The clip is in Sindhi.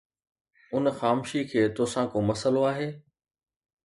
ان خامشي کي توسان ڪو مسئلو آهي